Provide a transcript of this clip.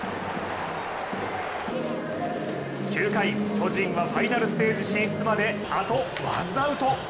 ９回、巨人はファイナルステージ進出まであとワンアウト。